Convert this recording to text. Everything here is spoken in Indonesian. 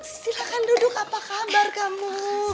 silahkan duduk apa kabar kamu